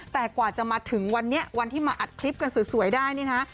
แต่กว่าจะมาถึงวันนี้วันที่มาอัดคลิปกันสวยได้นี่นะ